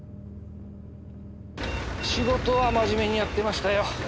仕事は真面目にやってましたよ。